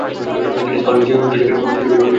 তিনি স্কটল্যান্ডে উচ্চশিক্ষার আদর্শ হয়ে ওঠেন।